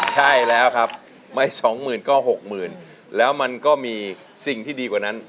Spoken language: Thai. ใช่แล้วครับไม่สองหมื่นก็๖๐๐๐แล้วมันก็มีสิ่งที่ดีกว่านั้น